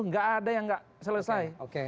nggak ada yang nggak bisa dilakukan